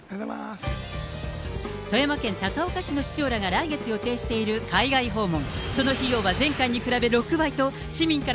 富山県高岡市の市長らが来月予定している海外訪問。